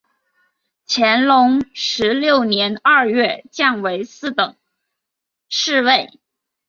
乾隆十六年二月降为四等侍卫。